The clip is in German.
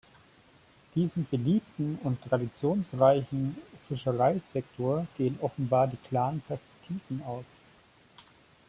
Diesem beliebten und traditionsreichen Fischereisektor gehen offenbar die klaren Perspektiven aus.